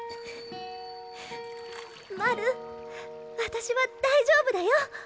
マル私は大丈夫だよ。